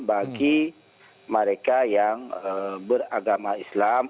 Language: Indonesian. bagi mereka yang beragama islam